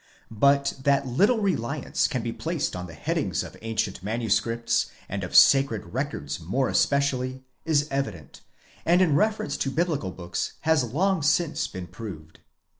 But that little reliance can be placed on the headings of' ancient manu scripts, and of sacred records more especially, is evident, and in reference to biblical books has long since been proved.